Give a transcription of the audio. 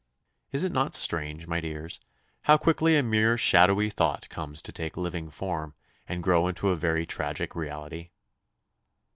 Is it not strange, my dears, how quickly a mere shadowy thought comes to take living form, and grow into a very tragic reality?